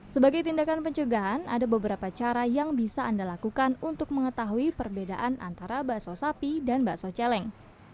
sebagai tindakan pencegahan ada beberapa cara yang bisa anda lakukan untuk mengetahui perbedaan antara bakso sapi dan bakso celeng